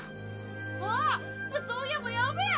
あそういえばやべえっ！